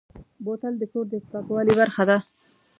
بوتل د کور د پاکوالي برخه ده.